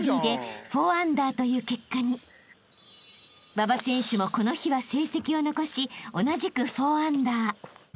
［馬場選手もこの日は成績を残し同じく４アンダー］